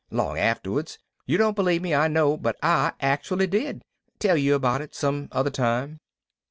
Long afterwards. You don't believe me, I know, but I actually did. Tell you about it some other time."